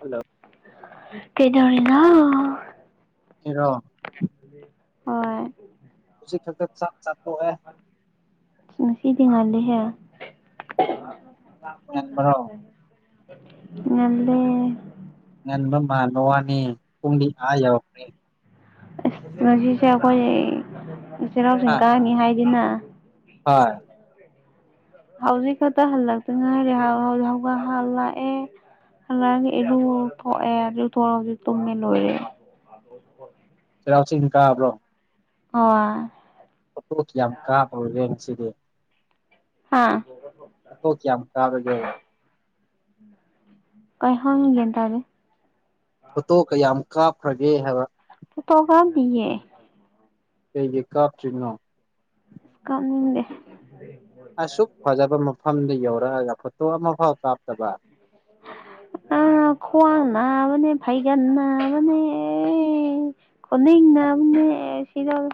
hello ꯀꯩꯗꯧꯔꯤꯅꯣ ꯁꯨꯇꯤꯔꯣ ꯍꯣꯏ ꯍꯧꯖꯤꯛ ꯈꯛꯇꯥ ꯆꯥꯛ ꯆꯥꯊꯣꯛꯑꯦ ꯉꯁꯤꯗꯤ ꯉꯜꯂꯤꯍꯦ ꯉꯟꯕ꯭ꯔꯣ ꯉꯜꯂꯦ ꯉꯟꯕꯥ ꯃꯥꯟꯕꯩ ꯋꯥꯅꯤ ꯄꯨꯡꯗꯤ ꯑꯥ ꯌꯎꯔꯈ꯭ꯔꯦ ꯑꯁ ꯉꯁꯤꯁꯦ ꯑꯩꯈꯣꯏ ꯆꯩꯔꯥꯎ ꯑ ꯆꯤꯡ ꯀꯥꯅꯤ ꯍꯥꯏꯗꯅ [unintelligible] ꯍꯣꯏ ꯍꯧꯖꯤꯛ ꯈꯛꯇ ꯍꯜꯂꯛꯇꯅ ꯍꯥꯏꯔꯦ ꯍꯧ ꯍꯧꯒ ꯍꯂꯥꯛꯑꯦ ꯍꯂ ꯏꯔꯨ ꯊꯣꯛꯑꯦ ꯑꯗꯨꯔꯨ ꯊꯣꯛꯒꯗꯤ ꯇꯨꯝꯃꯦ ꯂꯣꯏꯔꯦ ꯁꯤꯔꯥꯎ ꯆ ꯀꯥꯕ꯭ꯔꯣ ꯑꯣ ꯄꯣꯣꯛ ꯌꯥꯝ ꯀꯥꯞ ꯑꯣꯏꯔꯦꯁꯤꯗꯤ ꯍꯥꯥ ꯇ ꯀ ꯑꯃꯛ ꯀꯥꯔꯒꯦꯕ ꯀꯩ ꯍꯣꯡꯒꯦꯦꯟꯇꯥꯔꯦ ꯐꯣꯇꯣ ꯀꯌꯥꯝ ꯀꯥꯞꯈ꯭ꯔꯒꯦ ꯍꯥꯏꯕ ꯀ ꯇꯣꯒꯗꯤꯌꯦ ꯀꯩ ꯀꯥꯞꯆꯅꯣ ꯀꯞꯅꯤꯡꯗꯦ ꯑꯁꯨꯛ ꯐꯖꯕ ꯃꯐꯝꯗ ꯌꯧꯔꯛꯑꯒ ꯐꯣꯇꯣ ꯑꯃꯐꯥꯎ ꯀꯥꯞꯇꯕ ꯑ ꯈꯋꯥꯡ ꯅꯅꯥꯕꯅꯦ ꯐꯩꯒꯥꯟ ꯅꯅꯥꯕꯅꯦ ꯈꯅꯅ ꯃ ꯁꯤꯔꯜ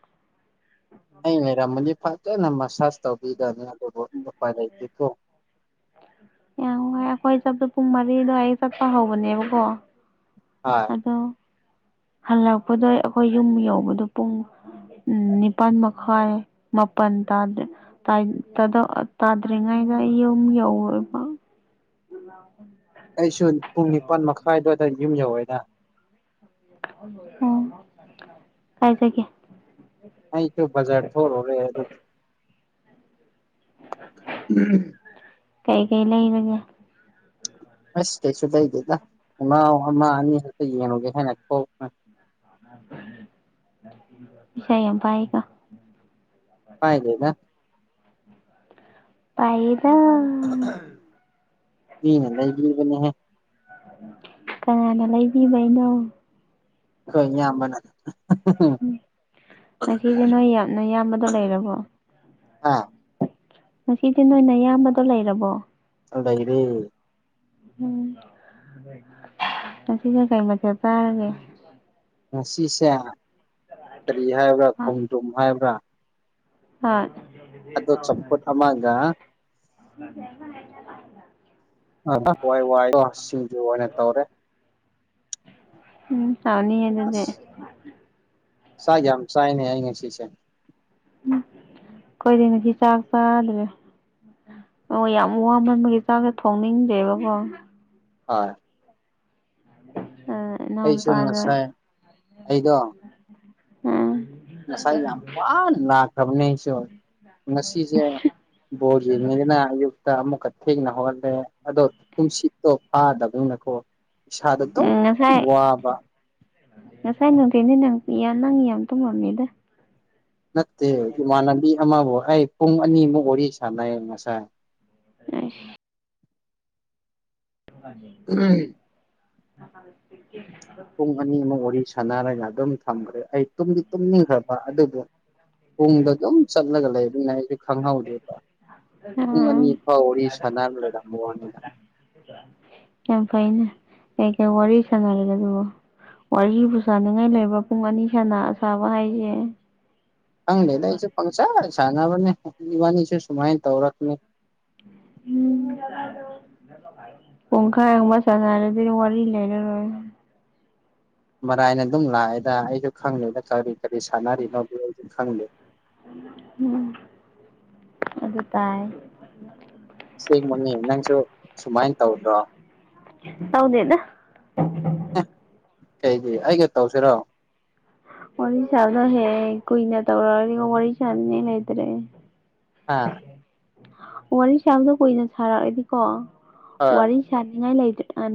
ꯑꯩ ꯂꯩꯔꯝꯃꯅꯤ ꯐꯖꯅ ꯃꯁꯥꯥꯁ ꯇꯧꯕꯤꯒꯅꯤ ꯑꯗꯨꯕꯨ ꯎꯄꯥꯏ ꯂꯩꯇꯦꯀꯣ ꯌꯥꯝ ꯅꯨꯡꯉꯥꯏ ꯑꯩꯈꯣꯏ ꯆꯠꯇꯄꯣ ꯄꯨꯡ ꯃꯔꯤꯗꯣꯋꯥ ꯆꯠꯄ ꯍꯧꯕꯅꯦꯕꯀꯣ ꯍꯣꯏ ꯑꯗꯣ ꯍꯜꯂꯛꯄꯗꯣ ꯑꯩꯈꯣꯏ ꯌꯨꯝ ꯌꯧꯕꯗꯣ ꯄꯨꯡ ꯎꯝ ꯅꯤꯄꯥꯥꯟ ꯃꯈꯑ ꯃꯄꯟ ꯇꯗ ꯇꯥꯗ꯭ꯔꯤꯉꯩꯗ ꯌꯨꯝ ꯌꯧ ꯑꯩꯁꯨ ꯄꯨꯡ ꯅꯤꯄꯜ ꯃꯈꯥꯏꯗꯋꯥꯗ ꯌꯨꯝ ꯌꯧꯋꯦꯅ ꯎ ꯀꯥꯏꯖ ꯀꯦ ꯑꯁꯨ ꯖꯔ ꯊꯣꯛꯔꯦ ꯑꯗꯨ ꯀꯩ ꯀꯩ ꯂꯩꯕꯒꯦ ꯑꯁꯦꯆꯨ ꯇꯩꯗꯦꯗ ꯎ ꯑꯃ ꯑꯅꯤ ꯍꯥꯏꯛꯇ ꯌꯦꯅꯒ ꯍꯅ ꯁ ꯌꯥꯝ ꯄꯥꯏꯒ ꯀꯥꯏꯖꯦꯅ ꯄꯥꯏꯗ ꯃꯤꯅꯦ ꯂꯩ ꯂꯩꯒꯕꯅꯦꯍꯦ ꯀꯅꯥꯅ ꯂꯩꯕꯤꯕꯅꯣ ꯀꯣꯏꯝꯕꯅ ꯉꯁꯤꯁꯦ ꯅꯣꯏ ꯌꯥꯝꯅ ꯏꯌꯥꯝꯕꯗꯣ ꯂꯩꯔꯕꯣ ꯍꯥ ꯉꯁꯤꯁꯦ ꯅꯣꯏꯅ ꯑꯌꯥꯝꯕꯗꯣ ꯂꯩꯔꯕꯣ ꯑꯗ ꯏꯗꯤ ꯎꯝ ꯑꯁꯤꯁꯦ ꯀꯩ ꯃꯊꯦ ꯆꯥꯔꯒꯦ ꯉꯁꯤꯁꯦ ꯀꯔꯤ ꯍꯥꯏꯕ꯭ꯔꯥ ꯈꯣꯡꯗ꯭ꯔꯨꯝ ꯍꯥꯏꯕ꯭ꯔꯥ ꯑꯥ ꯑꯗꯣ ꯆꯝꯐꯨꯠ ꯑꯃꯒ ꯏ ꯋꯥꯏ ꯁꯤꯡꯁꯨ ꯑꯣꯏꯅ ꯇꯧꯔꯦ ꯎꯝ ꯇꯥꯎꯅꯤ ꯍꯥꯏꯗꯗꯤꯦ ꯁꯥꯏ ꯌꯥꯝ ꯁꯥꯏꯅꯦ ꯑ ꯉ ꯁꯤ ꯁ ꯎꯝ ꯀꯣꯏꯗꯅꯗꯤ ꯆꯥꯛ ꯆꯥꯗ꯭ꯔꯦ ꯑꯣ ꯌꯥꯝ ꯋꯥꯃꯟꯕꯒꯤ ꯆꯥꯛꯁꯦ ꯊꯣꯡꯅꯤꯡꯗꯦꯕꯀꯣ ꯍ ꯑ ꯑꯩꯁꯨ ꯉꯁꯥꯏ ꯑꯩꯗꯣ ꯎꯝ ꯉꯁꯥꯏ ꯌꯥꯝ ꯋꯥ ꯂꯥꯛ ꯈꯝꯅꯦꯁꯨ ꯉꯁꯤꯁꯦ ꯕꯣꯔ ꯌꯦꯅꯤꯅ ꯑꯌꯨꯛ ꯑꯃꯨꯛꯀ ꯊꯦꯡꯅ ꯍꯧꯍꯜꯂꯦ ꯑꯗꯣ ꯨꯝꯁꯤꯠꯇꯣ ꯐꯥꯗꯕꯅꯤꯅꯀꯣ ꯁꯥꯗꯠꯇꯣ ꯉꯁꯥꯏ ꯋꯥꯕ ꯉꯁꯥꯏ ꯅꯅꯨꯡꯗꯤꯅꯦ ꯅꯪ ꯏ ꯅꯪ ꯏ ꯌꯥꯝ ꯇꯣꯡꯃꯝꯅꯤꯗ ꯅꯠꯇꯦ ꯏꯃꯥꯟꯅꯕꯤ ꯑꯃꯕꯨ ꯑꯩ ꯄꯨꯡ ꯑꯅꯤꯃꯨꯛ ꯋꯥꯔꯤ ꯁꯥꯟꯅꯩ ꯉꯁꯥꯏ ꯎ [inaudible] ꯎꯝ ꯑ ꯄꯨꯡ ꯑꯅꯤꯃꯨ ꯋꯥꯔꯤ ꯁꯥꯟꯅꯔꯒ ꯑꯗꯨꯝ ꯊꯝꯈ꯭ꯔꯦ ꯑꯩꯨꯝꯗꯤ ꯇꯨꯝꯅꯤꯡꯈ꯭ꯔꯕ ꯑꯗꯨꯕꯨ ꯄꯨꯡꯗ ꯑꯗꯨꯝ ꯆꯠꯂꯒ ꯂꯩꯕꯅꯤꯅ ꯑꯩꯁꯦ ꯈꯪꯍꯧꯗꯦꯕ ꯄꯨꯡ ꯑꯥ ꯑꯅꯤ ꯐꯥꯎ ꯋꯥꯔꯤꯔꯤ ꯁꯥꯟꯅꯔꯝ ꯂꯩꯔꯝꯕ ꯋꯥꯅꯤꯅ ꯌꯥꯝ ꯐꯥꯏꯅꯦ ꯑꯦ ꯋꯥꯔꯤ ꯋꯥꯔꯤ ꯁꯅꯔ ꯑꯗꯨꯕ ꯋꯥꯔꯤ ꯄꯨ ꯁꯥꯅꯤꯡꯉꯥꯏ ꯂꯩꯕ ꯄꯨꯡ ꯑꯅꯤ ꯁꯥꯅ ꯑ ꯁꯥꯥꯕ ꯍꯥꯏꯁꯦ ꯀꯪ ꯂꯦꯗꯥꯏ ꯄꯪ ꯆꯥ ꯆꯅꯥꯕꯅꯤ ꯁꯨꯃꯥꯏ ꯇꯧꯔꯛꯅꯤ ꯎꯝ ꯄꯪꯈꯥ ꯑꯦꯃ ꯆꯔꯗꯤ ꯋꯥꯔꯤ ꯋꯥꯔꯤ ꯂꯩꯔ ꯔꯣꯏ ꯥꯏꯅ ꯑꯗꯨꯝ ꯂꯥꯛꯑꯦꯗ ꯑꯩꯁꯨ ꯈꯪꯉꯦꯗ ꯀꯔꯤ ꯀꯔꯤ ꯁꯥꯟꯅꯔꯤꯅꯣꯗ ꯑꯩꯁꯨ ꯈꯪꯗꯦ ꯎꯝ ꯑꯗꯨ ꯇꯥꯏ ꯁꯤꯦꯡꯒ ꯃꯅꯤ ꯅꯪꯁꯨ ꯁꯨꯃꯥꯏꯅ ꯇꯧꯗ꯭ꯔꯣ ꯍꯥꯎꯗꯦꯅ ꯀꯩꯗꯤ ꯑꯩꯒ ꯇꯧꯁꯤꯔꯣ ꯋꯥꯔꯤꯔꯤ ꯆꯥꯟꯅ ꯍꯦ ꯀꯨ ꯏꯅ ꯇ ꯋꯥꯔꯤꯔꯤ ꯆꯥꯟꯅ ꯂꯩꯇ꯭ꯔꯦ ꯍꯥ ꯋꯥꯔꯤ ꯁꯥꯗ ꯀꯨꯏꯅ ꯁꯥꯔꯛꯏꯗꯤꯀꯣ ꯍꯣꯏ ꯋꯥꯔꯤ ꯆꯅꯤꯡ ꯉꯥꯏ ꯂꯦ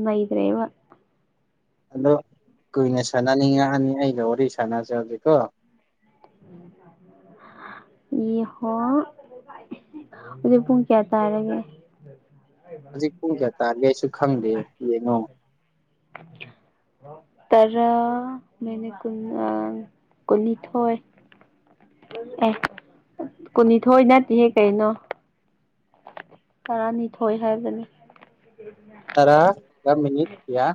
ꯅꯣꯏꯗ꯭ꯔꯦ ꯋꯥ ꯑꯗꯣ ꯀꯨꯏꯅ ꯁꯥꯟꯅꯅꯤꯡꯉꯛꯑꯅꯤ ꯑꯩꯒ ꯋꯥꯔꯤ ꯁꯥꯟꯅꯁꯦ ꯍꯧꯖꯤꯛꯀꯣ ꯌꯦꯍꯣ ꯍꯧꯖꯤꯛ ꯄꯨꯡ ꯀꯌꯥ ꯇꯥꯔꯒꯦ ꯍꯧꯖꯤꯛ ꯄꯨꯡ ꯀꯌꯥ ꯇꯥꯔꯔꯤꯒꯦ ꯑꯩꯁꯨ ꯈꯪꯗꯦ ꯌꯦꯡꯉꯣ [inaudible] ꯇꯔꯥ ꯃꯅꯦ ꯀꯨꯟ ꯀꯨꯟꯅꯤꯊꯣꯏ ꯑꯦ ꯀꯨꯟꯅꯤꯊꯣꯏ ꯅꯠꯇꯦꯍꯦ ꯀꯩꯅꯣ ꯇꯔꯥꯅꯤꯊꯣꯏ ꯍꯥꯏꯕꯅꯦ ꯇꯔꯥꯒ ꯃꯤꯅꯤ ꯀꯌꯥ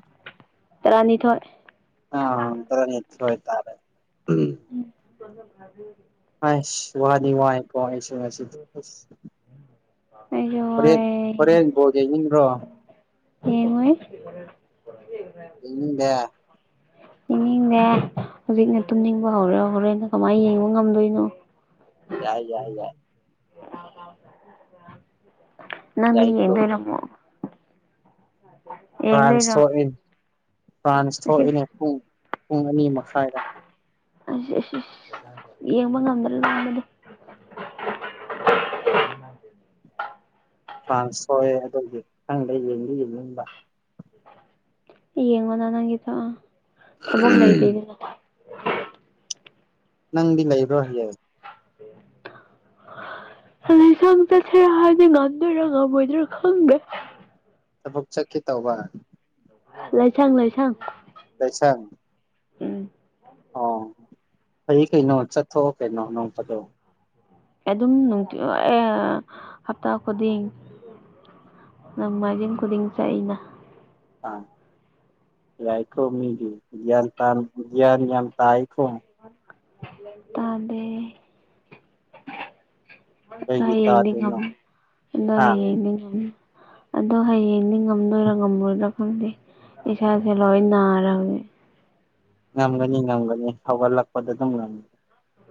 ꯇꯔꯥꯅꯤ ꯊꯣꯛꯣꯏ ꯑ ꯑꯣ ꯇꯔ ꯅꯤꯡꯅꯤꯠꯇ ꯍꯣꯣꯏꯇꯥꯥꯔꯦ ꯎ [inaudible] ꯑꯥꯏꯁ ꯋꯥꯗꯤ ꯋꯥꯏꯀꯣ ꯑꯩꯁꯦ ꯉꯁꯤ ꯑꯩꯖꯨ ꯋꯥꯏꯑ ꯍꯣꯔꯦꯟ ꯕꯣꯜ ꯌꯦꯡꯅꯤꯡꯕ꯭ꯔꯣ ꯌꯦꯉꯣꯏ ꯌꯦꯡꯅꯤꯡꯗꯦ ꯌꯦꯅꯤꯡꯅꯦ ꯍꯧꯖꯤꯛꯅꯦ ꯇꯨꯝꯅꯤꯡꯕ ꯍꯧꯔꯦ ꯍꯧꯔꯦꯅ ꯀꯃꯥꯏꯅ ꯌꯦꯡꯕ ꯉꯝꯗꯣꯏꯅꯣ ꯌꯥꯏ ꯌꯥꯏ ꯌꯥꯏ ꯥ [inaudible] ꯅꯪꯗꯤ ꯌꯥꯏꯀꯣ ꯌꯦꯡꯗꯣꯏꯔ ꯃꯨꯛ ꯐ꯭ꯔꯥꯟꯁ ꯌꯦꯡꯗꯣꯏꯔꯣ ꯊꯣꯛꯏꯅꯦ ꯐ꯭ꯔꯥꯟꯁ ꯉꯁꯤ ꯊꯣꯛꯏꯅꯦ ꯄꯨꯡ ꯄꯨꯡ ꯑꯅꯤ ꯃꯈꯥꯏꯗ ꯑꯁꯤ ꯑꯁꯤ ꯑ ꯌꯦꯡꯕ ꯉꯝꯗꯅ ꯂꯥꯛꯕꯅꯤ ꯆꯥꯟ ꯁꯣꯏꯑꯦ ꯑꯗꯨꯒꯤ ꯈꯪꯗ ꯌꯦꯡꯗꯤ ꯌꯦꯡꯅꯤꯡꯕ ꯌꯦꯡꯉꯣ ꯅ ꯅꯪꯒꯤꯗ ꯊꯕꯛ ꯂꯩꯇꯦꯗꯅ ꯅꯪꯗꯤ ꯂꯩꯕ꯭ꯔꯣ ꯍꯌꯦꯡ [unintelligible] ꯍ [inaudible] ꯁ ꯆꯦꯔ ꯍꯥꯏꯗꯤ ꯉꯟꯗꯔꯕꯣꯏꯗ꯭ꯔ ꯈꯪꯒꯦ ꯊꯕꯛ ꯆꯠꯀꯦ ꯇꯧꯕ ꯂꯩꯁꯪ ꯂꯩꯁꯪ ꯂꯩꯁꯪ ꯑꯣ ꯐꯩ ꯀꯩꯅꯣ ꯆꯠꯊꯣꯛꯑꯣ ꯀꯩꯅꯣ ꯅ ꯐꯗ ꯑꯗꯨꯝꯅꯨꯡꯇꯤ ꯍꯞꯇꯥ ꯈꯨꯗꯤꯡ ꯅꯪ ꯃꯥꯏꯖꯤꯡ ꯈꯨꯗꯤꯡ ꯆꯥꯏꯅ ꯌꯥꯏꯀꯣ ꯃꯤꯗꯤ ꯒꯌ꯭ꯥꯟ ꯌꯥꯝ ꯇꯥꯏꯀꯣ ꯇꯥꯗꯦ ꯀꯩꯒꯤ ꯇꯥꯗ꯭ꯔꯤꯅꯣ ꯍꯥ [inaudible] ꯑꯗꯣ ꯍꯌꯦꯡꯗꯤ ꯉꯝꯗꯣꯏꯔꯥ ꯉꯝꯃꯣꯏꯔꯥ ꯈꯪꯗꯦ ꯏꯁꯥꯁꯦ ꯂꯣꯏ ꯅꯥꯔꯕꯅꯦ ꯉꯝꯒꯅꯤ ꯉꯝꯒꯅꯤ ꯍꯧꯒꯠꯂꯛꯄꯗ ꯑꯗꯨꯝ ꯉꯝ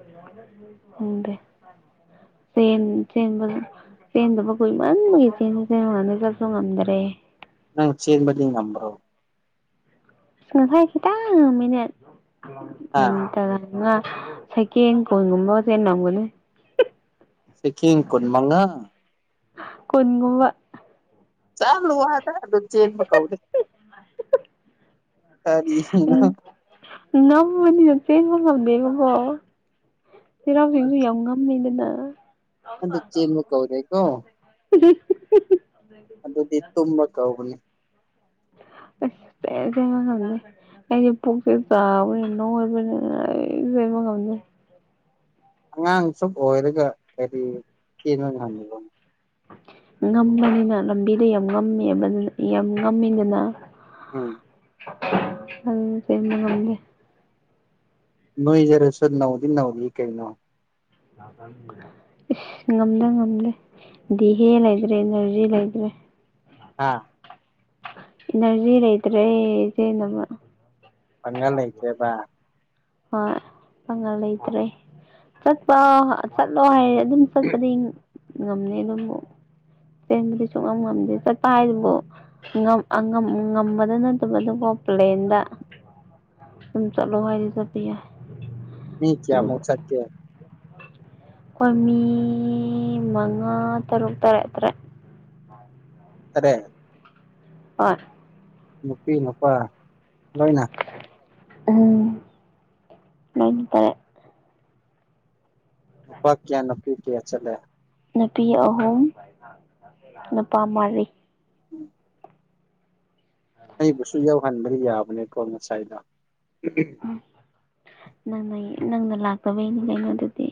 [inaudible] ꯆꯦꯟꯗꯕ ꯀꯨꯏꯃꯟꯕꯒꯤ ꯆꯦꯟꯗ ꯆꯦꯟꯉꯗ ꯆꯠꯁꯨ ꯉꯝꯗꯔꯦ ꯅꯪ ꯆꯦꯟꯕꯗꯤ ꯉꯝꯕ꯭ꯔꯣ ꯍꯥ ꯃꯤꯅꯠ ꯇꯔꯥ ꯉꯥ ꯁꯦꯀꯦꯟ ꯀꯨꯟꯒꯨꯝꯕ ꯆꯦꯟ ꯅꯝꯒꯅꯤ ꯁꯦꯀꯦꯟ ꯀꯨꯟ ꯃꯉꯥ ꯀꯨꯟꯒꯨꯝꯕ ꯌꯥꯝ ꯂꯨ ꯋꯥꯗ ꯑꯗꯨꯝ ꯆꯦꯟꯕ ꯀꯧꯗꯦ ꯀꯔꯤꯅꯣ ꯅꯝꯃꯅꯤ ꯆꯦ ꯍꯗꯦꯕ ꯍꯣ [inaudible] ꯆꯩꯔꯥꯎꯁꯤꯡꯤꯡꯁꯨ ꯌꯥꯝ ꯉꯝꯅꯩꯗꯅ ꯑꯑꯗꯨ ꯆꯦꯟꯕ ꯀꯧꯗꯦꯒꯣ [inaudible] ꯑꯗꯨꯗꯤ ꯇꯨꯝꯃ ꯀꯧꯕꯅꯤ ꯑꯁ ꯉꯃꯦ [inaudible] ꯑꯩꯁꯦ ꯄꯨꯛꯁꯦ ꯆꯥꯕꯅꯤꯅ ꯅꯣꯏꯕꯅꯤꯅ ꯑꯩꯖꯕ ꯈꯝꯗꯦ ꯑꯉꯥꯡꯁꯨ ꯑꯣꯏꯔꯒ ꯀꯔꯤ ꯆꯦꯟꯕ ꯉꯝꯃꯤꯕ ꯉꯝꯕꯅꯤꯅ ꯂꯝꯕꯤꯗ ꯌꯥꯝ ꯉꯝꯃꯦꯕ ꯌꯥꯝ ꯉꯝꯃꯤꯗꯅ ꯎꯝ ꯑꯗꯨꯅ ꯆꯦꯟꯕ ꯉꯝꯗꯦ ꯅꯣꯏꯖꯔꯁꯨꯣ ꯅꯧꯗꯤ ꯅꯧꯗꯤ ꯀꯩꯅꯣ ꯏꯁꯁ ꯉꯝꯗ ꯉꯝꯗꯦ ꯗꯤꯦꯍꯦ ꯂꯩꯇ꯭ꯔꯦ ꯏꯅꯔꯖꯤ ꯂꯩꯇ꯭ꯔꯦ ꯑꯥ ꯏꯅꯔꯖꯤ ꯂꯩꯇ꯭ꯔꯦ ꯆꯦꯅꯕ ꯄꯪꯡꯒꯥꯟ ꯂꯩꯇꯔꯦꯕ ꯍꯣꯏ ꯄꯪꯉ ꯂꯩꯇ꯭ꯔꯦ ꯆꯠꯄ ꯆꯠꯂꯣ ꯍꯥꯏꯔꯦ ꯑꯗꯨꯝ ꯆꯠꯄꯗꯤ ꯉꯝꯅꯤ ꯑꯗꯨꯕꯨ ꯆꯦꯟꯕꯗꯤ ꯁꯨꯡ ꯉꯝ ꯉꯝꯗꯦ ꯆꯠꯄ ꯍꯥꯏꯗꯨꯕꯨ ꯉꯝꯕꯗ ꯅꯠꯇꯕꯗꯨꯀꯣ ꯄ꯭ꯂꯦꯟꯗ ꯑꯗꯨꯝ ꯆꯠꯂꯣ ꯍꯥꯏꯗꯤ ꯆꯠꯗꯤ ꯌꯥ ꯃꯤ ꯀꯌꯥ ꯃꯨꯛ ꯁꯥꯛ ꯀ ꯑꯩꯈꯣꯏ ꯃꯤ ꯃꯉꯥ ꯇꯔꯨꯛ ꯇꯔꯦꯠ ꯇꯔꯦꯠ ꯇꯥꯔꯦꯠ ꯍꯣꯢ ꯅꯨꯄꯤ ꯅꯨꯄꯥ ꯂꯣꯏꯅ ꯎꯝ ꯅꯣꯏꯇꯥꯔꯦ [inaudible] ꯅꯨꯄꯥ ꯀꯌꯥ ꯅꯨꯄꯤ ꯀꯌꯥ ꯆꯠꯂꯦ ꯅꯨꯄꯤ ꯑꯍꯨꯝ ꯅꯨꯄꯥ ꯃꯔꯤ ꯎꯝ ꯑꯩꯕꯨꯁꯨ ꯌꯥꯎꯍꯟꯕ ꯌꯥꯕꯅꯦꯀꯣ ꯉꯁꯥꯏꯗ ꯅꯪꯅ ꯅꯪꯅ ꯂꯥꯛꯇꯕꯩꯅꯤ ꯀꯩꯅꯣ ꯑꯗꯨꯗꯤ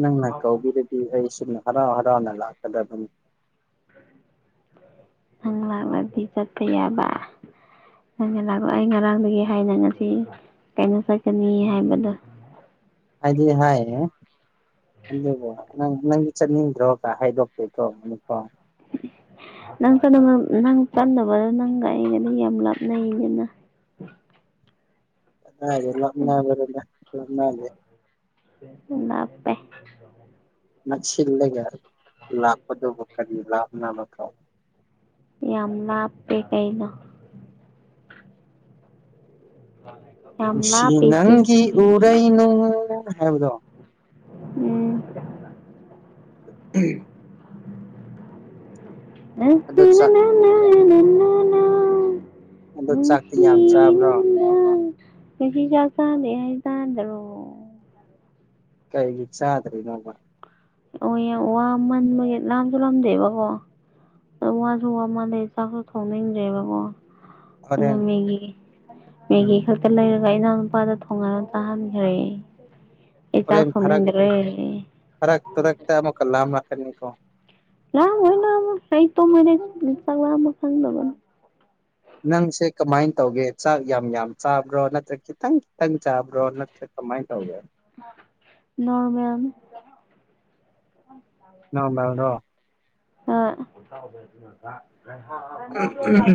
ꯅꯪꯅ ꯀꯧꯕꯤꯔꯗꯤ ꯑꯩ ꯁꯨꯝ ꯍꯔꯥꯎ ꯍꯔꯥꯎꯅ ꯂꯥꯛꯀꯗꯕꯅꯤ [unintelligible] ꯅꯪ ꯂꯥꯛꯂꯗꯤ ꯆꯠꯄ ꯌꯥꯕ ꯅꯪꯅ ꯂꯥꯛꯄꯑꯣ ꯑꯩ ꯉꯔꯥꯡꯗꯒꯤ ꯍꯥꯏꯅ ꯉꯁꯤ ꯀꯩꯅꯣ ꯆꯠꯀꯅꯤ ꯍꯥꯏꯕꯗꯣ ꯑꯗꯤ ꯍꯥꯏ ꯑꯗꯨꯜꯕꯣ ꯅꯪ ꯅꯪꯒꯤ ꯆꯠꯅꯤꯡꯗ꯭ꯔꯣꯒ ꯍꯥꯏꯗꯣꯛꯄꯤꯦꯀꯣ ꯑꯄꯥꯣ ꯅꯪ ꯅꯪ ꯆꯥꯟꯅꯕꯗꯣ ꯅꯪꯒ ꯑꯩꯒꯗꯤ ꯌꯥꯝ ꯂꯥꯞꯅꯩꯅꯤꯅ ꯝꯦ ꯄꯦ ꯅꯠꯁꯤꯜꯂꯒ ꯂꯥꯛꯄꯗꯨꯕꯨ ꯀꯔꯤ ꯂꯥꯞꯅꯕ ꯀꯧ ꯌꯥꯝ ꯂꯥꯞꯄꯦ ꯀꯩꯅ ꯑ ꯁꯤ ꯅꯪꯒꯤ ꯎꯔꯩꯅꯨ ꯍꯥꯏꯕꯗꯣ ꯎꯝ ꯎꯝ ꯅ ꯑꯗꯨ ꯆꯥꯛ ꯁꯤꯅꯅꯦ ꯑꯗꯨ ꯆꯥꯛꯇꯤ ꯅꯨꯡꯁꯤ ꯌꯥꯝ ꯅꯨ ꯆꯥꯕ꯭ꯔꯣ ꯅꯨꯡꯁꯤ ꯆꯥꯛ ꯆꯥꯗ ꯍꯥꯏꯇꯥꯥꯗ꯭ꯔꯣ ꯀꯩꯒꯤ ꯆꯥꯗ꯭ꯔꯤ ꯅꯃ ꯑꯣ ꯋꯥꯃꯟꯕꯒꯤ ꯂꯥꯝꯁꯨ ꯂꯥꯝꯗꯦꯕꯀꯣ ꯑꯗ ꯋꯥꯁꯨ ꯋꯥꯃꯗꯩ ꯆꯥꯛꯁꯨ ꯊꯣꯡꯅꯤꯡꯗ꯭ꯔꯦꯕꯀꯣ ꯑꯗꯨ ꯍꯣꯔꯦꯟ ꯃꯦ ꯃꯦ ꯎꯝ ꯂꯩꯔꯒ ꯏꯅꯥꯎ ꯅꯨꯄꯥꯗ ꯊꯣꯡꯉꯥꯟꯅ ꯇꯥꯍꯟꯈ꯭ꯔꯦ ꯏ ꯆꯥ ꯁꯃꯗ꯭ꯔꯦ ꯐ ꯔꯛꯇ ꯇ ꯔꯛꯛꯇ ꯃꯣ ꯀꯜꯂꯥ ꯑꯃꯅꯀꯅꯤꯣ ꯂꯣꯏꯅ ꯑꯃ ꯍ ꯇꯣ ꯃ ꯆꯥꯛ ꯑꯃ ꯈꯪꯗꯕꯅꯣ ꯅꯪꯁꯦ ꯀꯃꯥꯏꯅ ꯇꯧꯒꯦ ꯆꯥꯛ ꯌꯥꯝ ꯌꯥꯝ ꯆꯥꯕ꯭ꯔꯣ ꯅꯠꯇ꯭ꯔꯒ ꯈꯤꯇꯪ ꯈꯤꯇꯪ ꯆꯥꯕ꯭ꯔꯣ ꯅꯠꯇ꯭ꯔ ꯃꯥꯏ ꯇꯧꯒꯦ ꯅꯣꯔꯃꯦꯝ ꯅꯃ꯭ꯔꯣ ꯑ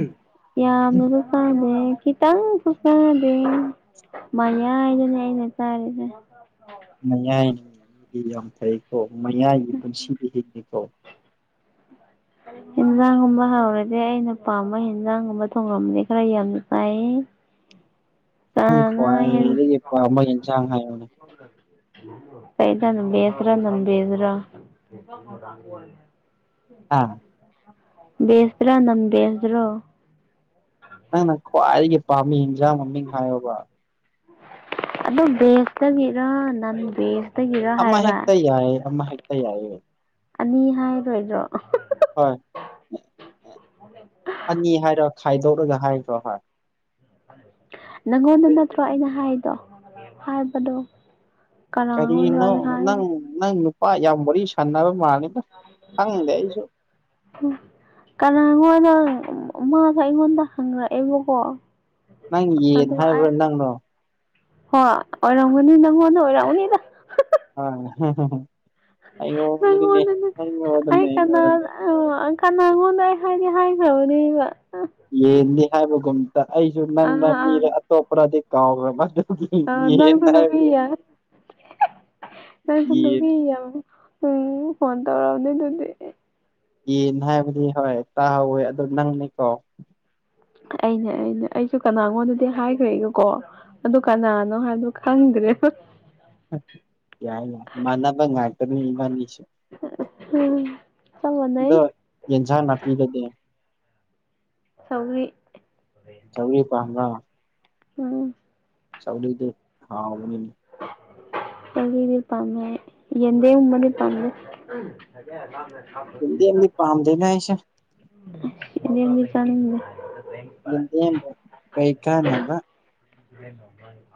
ꯌꯥꯝꯅꯨ ꯥꯗꯦ ꯈꯤꯇꯪ ꯈꯨꯁꯥꯗꯦ ꯃꯌꯥꯏꯗꯅꯦ ꯑꯩꯅ ꯆꯥꯔꯤꯁꯦ ꯃꯌꯥꯏꯒꯤ ꯃꯤꯗꯤ ꯌꯥꯝ ꯐꯩꯀꯣ ꯃꯌꯥꯏꯒꯤ ꯄꯨꯟꯁꯤꯗꯤ ꯍꯤꯡꯉꯤꯀꯣ ꯎꯝ ꯍꯦꯟꯖꯥꯡꯒꯨꯝꯕ ꯍꯥꯎꯔꯗꯤ ꯑꯩꯅ ꯄꯥꯝꯕ ꯍꯦꯟꯖꯥꯡꯒꯨꯝꯕ ꯊꯣꯡꯡꯂꯕꯗꯤ ꯈꯔ ꯌꯥꯝꯅ ꯆꯥꯏꯌꯦ ꯪ ꯆꯥꯅ ꯍꯦꯟꯅ ꯈ꯭ꯋꯥꯏꯗꯒꯤꯄꯥ ꯑꯃ ꯌꯦꯟꯁꯥꯡ ꯍꯥꯏꯌꯣꯅꯦ ꯀꯩꯗ ꯅ ꯦꯁ꯭ꯔ ꯅꯪ ꯦꯖ꯭ꯔꯥ ꯍꯥ ꯕꯦꯁꯗ꯭ꯔꯥ ꯅꯪ ꯦꯁꯗ꯭ꯔꯣ ꯅꯪꯅ ꯈ꯭ꯋꯥꯏꯗꯒꯤ ꯄꯥꯝꯃꯤ ꯍꯟꯖꯥꯡ ꯃꯃꯤꯡ ꯍꯥꯏꯌꯣꯕ ꯑꯗꯨ ꯕꯦꯛꯇꯒꯤꯔ ꯅꯟꯗꯦ ꯑꯃꯥ ꯍꯦꯛꯇ ꯌꯥꯏꯌꯦ ꯑꯃꯥ ꯍꯦꯛꯇ ꯌꯥꯏꯌꯦ ꯑꯅꯤ ꯍꯥꯏꯔꯔꯣꯏꯗ꯭ꯔꯣ ꯍꯣꯏ ꯑꯅꯤ ꯍꯥꯏꯔꯣ ꯈꯥꯏꯗꯣꯛꯂꯒ ꯍꯥꯏꯈ꯭ꯔꯣ ꯍ ꯅꯪꯉꯣꯟꯗ ꯅꯠꯇ꯭ꯔꯣ ꯑꯩꯅ ꯍꯥꯏꯗꯣ ꯍꯥꯏꯕꯗꯣ ꯀꯅꯥꯉꯣꯟꯗꯔ ꯀꯔꯤꯅꯣ ꯑꯩꯅ ꯍꯥꯏꯗꯣ ꯅꯪ ꯅꯪ ꯅꯨꯄꯥ ꯌꯥꯝ ꯋꯥꯔꯤ ꯁꯥꯟꯅꯕ ꯃꯥꯜꯂꯤꯗ ꯈꯪꯗꯦ ꯑꯩꯁꯨ ꯑꯦ ꯀꯅꯥꯅꯣꯗ ꯃꯥꯗꯣ ꯑꯩꯉꯣꯟꯗ ꯍꯪꯉꯔꯛꯑꯦꯕꯀꯣ ꯅꯪ ꯌꯦꯗ ꯍꯥꯏꯕ꯭ꯔꯥ ꯅꯪꯅꯣ ꯍꯣꯏ ꯑꯣꯏꯔꯝꯒꯅꯤ ꯅꯪꯉꯣꯟꯗ ꯑꯣꯏꯔꯝꯒꯅꯤꯗ ꯍ ꯍ ꯑꯩꯉꯣꯟꯗꯅꯦ ꯑꯩ ꯀꯅ ꯑꯩꯉꯣꯟꯗꯅꯦ ꯑꯣ ꯑꯪꯀ ꯅꯪꯉꯣꯟꯗ ꯑꯩ ꯍꯥꯏꯗꯤ ꯍꯥꯏꯈ꯭ꯔꯕꯅꯦꯕ ꯌꯦꯟꯅꯤ ꯍꯥꯏꯕꯒꯨꯝꯇ ꯑꯩꯁꯨ ꯅꯪꯅ ꯑꯥ ꯑꯥ ꯃꯤꯔ ꯑꯇꯣꯞꯄ꯭ꯔꯗꯤ ꯀꯥꯎꯈ꯭ꯔꯦ ꯑ ꯅꯪ ꯌꯦꯟ [unintelligible] ꯎꯝ ꯐꯣꯟ ꯇꯧꯔꯑꯕꯅꯤꯅꯤ ꯑꯗꯨꯗꯤ ꯌꯦꯅ ꯍꯥꯏꯕꯗꯤ ꯍꯣꯏ ꯇꯥꯍꯧꯋꯦ ꯑꯗꯣ ꯅꯪꯅꯤꯀꯣ ꯑꯅ ꯑꯩꯅ ꯑꯩꯁꯨ ꯀꯅꯥꯒꯣꯟꯗꯗꯤ ꯍꯥꯏꯈ꯭ꯔꯦꯒꯀꯣ ꯑꯗꯨ ꯀꯅꯥꯅꯣ ꯍꯥꯏꯕ ꯈꯪꯗ꯭ꯔꯦ ꯍ ꯌꯥꯏꯅꯦ ꯃꯥꯟꯅꯕ ꯉꯥꯛꯇꯅꯤ ꯏꯕꯥꯟꯅꯤꯁꯦ ꯎꯝ ꯆꯞ ꯃꯥꯟꯅꯩ ꯑꯗꯣ ꯌꯦꯟꯖꯥꯡ ꯅꯥꯄꯤꯒꯗꯤ ꯁꯧꯔꯤ ꯁꯧꯒ꯭ꯔꯤ ꯄꯥꯝꯕ꯭ꯔꯣ ꯎꯝ ꯁꯧꯒ꯭ꯔꯤꯗꯤ ꯍꯥꯎꯕꯅꯤꯅꯦ ꯁꯧꯒ꯭ꯔꯤꯗꯤ ꯄꯥꯝꯃꯦ ꯌꯦꯗꯦꯝ ꯃꯗꯤ ꯄꯥꯝꯗꯦ ꯌꯦꯟꯗꯦꯝꯗꯤ ꯄꯥꯝꯗꯦꯗ ꯑꯩꯁꯦ [unintelligible] [unintelligible] ꯆꯥꯅꯤꯡꯗꯦ ꯌꯦꯟꯗꯦꯝꯕꯣ ꯀꯔꯤ ꯀꯥꯟꯅꯕ [unintelligible]